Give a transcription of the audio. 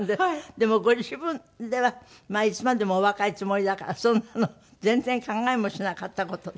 でもご自分ではいつまでもお若いつもりだからそんなの全然考えもしなかった事で？